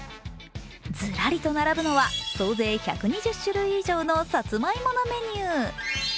ずらりと並ぶのは総勢１２０種類以上のさつまいものメニュー。